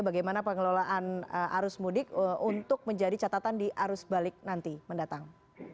bagaimana pengelolaan arus mudik untuk menjadi catatan di arus balik nanti mendatang